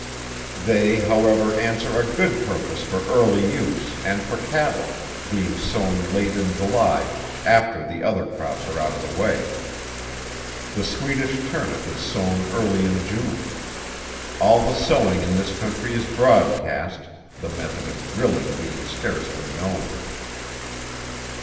They, however, answer a good purpose for early use and for cattle, being sown late in July, after the other crops are out of the way. The Swedish turnip is sown early in June. All the sowing in this country is broad cast, the method of drilling being scarcely known.